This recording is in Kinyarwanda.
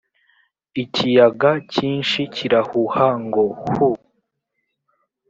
Ikiyaga cyinshi kirahuha ngo hu